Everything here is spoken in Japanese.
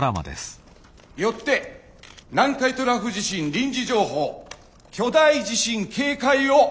よって南海トラフ地震臨時情報巨大地震警戒を発出いたします。